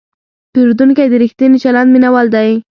پیرودونکی د ریښتیني چلند مینهوال دی.